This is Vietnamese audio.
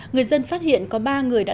người dân phát hiện có ba người đã